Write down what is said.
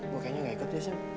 gue kayaknya gak ikut deh sam